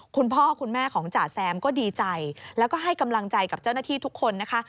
คุณพ่อคุณแม่ของจ่าแซมก็ดีใจแล้วก็ให้กำลังใจกับเจ้าหน้าที่ทุกคนนะคะ